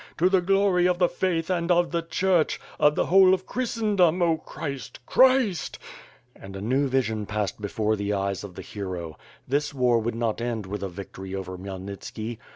To the glory of the faith and of the Church, of the whole of Christendom, 0 Christ! Christ!" And a new vision passed before the eyes of the hero. This war would not end with a victory over Khmyelnitski.